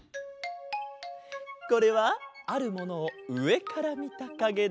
これはあるものをうえからみたかげだ。